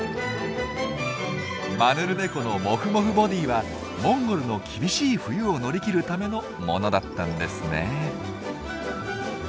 マヌルネコのモフモフボディーはモンゴルの厳しい冬を乗り切るためのものだったんですね。